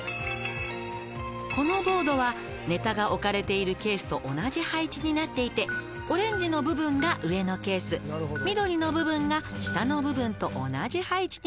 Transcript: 「このボードはネタが置かれているケースと同じ配置になっていてオレンジの部分が上のケース緑の部分が下の部分と同じ配置になっているの」